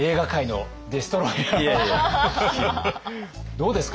どうですか？